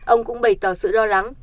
ông cũng bày tỏ sự lo lắng